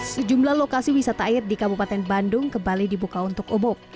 sejumlah lokasi wisata air di kabupaten bandung kembali dibuka untuk umum